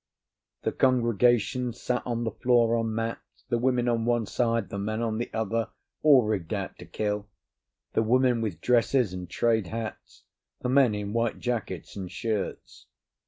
The congregation sat on the floor on mats, the women on one side, the men on the other, all rigged out to kill—the women with dresses and trade hats, the men in white jackets and shirts.